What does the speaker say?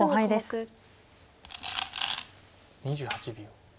２８秒。